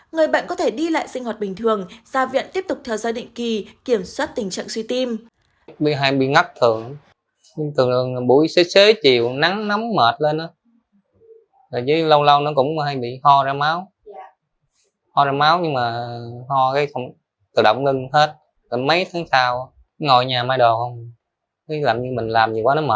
người bệnh có thể đi lại sinh hoạt bình thường ra viện tiếp tục theo giai đoạn kỳ kiểm soát tình trạng suy tim